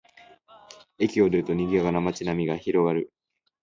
駅を出ると、にぎやかな街並みが広がる